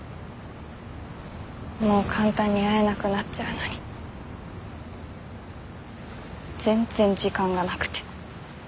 もう簡単に会えなくなっちゃうのに全然時間がなくて。